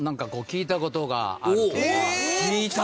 聞いたことがある。